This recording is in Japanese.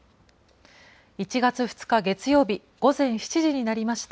１月２日月曜日、午前７時になりました。